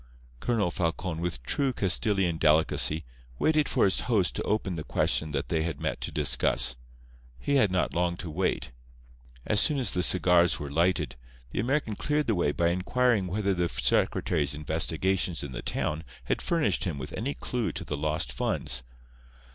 Colonel Falcon, with true Castilian delicacy, waited for his host to open the question that they had met to discuss. He had not long to wait. As soon as the cigars were lighted, the American cleared the way by inquiring whether the secretary's investigations in the town had furnished him with any clue to the lost funds.